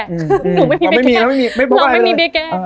หนูไม่มีเบียแก